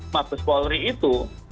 mabes polri itu